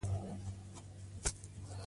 ځان په طبیعت کې چارج کړئ.